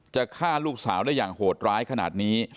จะฆ่าลูกสาวได้อย่างโหดร้ายขนาดนี้